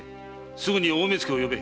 すぐに大目付を呼べ。